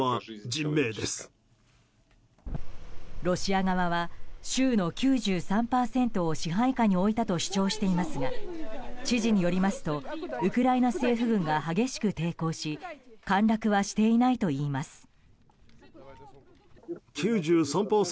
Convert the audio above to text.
ロシア側は州の９３％を支配下に置いたと主張していますが知事によりますとウクライナ政府軍が激しく抵抗し陥落はしていないといいます。